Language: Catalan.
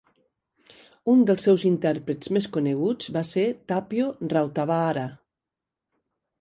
Un dels seus intèrprets més coneguts va ser Tapio Rautavaara.